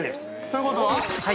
◆ということは？